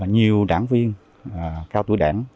nhiều đảng viên cao tuổi đảng